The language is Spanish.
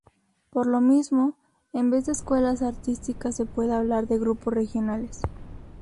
Por lo mismo, en vez de escuelas artísticas se puede hablar de grupos regionales.